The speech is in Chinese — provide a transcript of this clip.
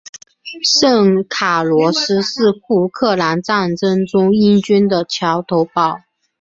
圣卡洛斯是福克兰战争中英军的桥头堡。